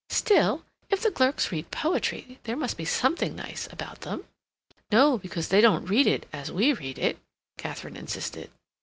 Still, if the clerks read poetry there must be something nice about them." "No, because they don't read it as we read it," Katharine insisted.